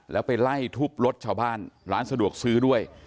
แล้วไปไล่ทุบรถชาวบ้านร้านสะดวกซื้อด้วย